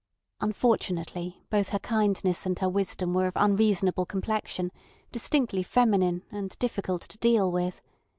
Unfortunately, both her kindness and her wisdom were of unreasonable complexion, distinctly feminine, and difficult to deal with.